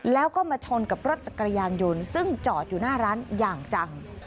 แล้วก็มาชนกับรถจักรยานยนต์ซึ่งจอดอยู่หน้าร้านอย่างจัง